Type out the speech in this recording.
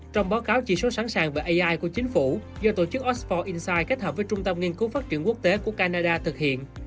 trong báo cáo chỉ số sẵn sàng về ai của chính phủ do tổ chức ospor insite kết hợp với trung tâm nghiên cứu phát triển quốc tế của canada thực hiện